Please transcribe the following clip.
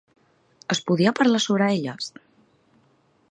Es podia parlar sobre elles?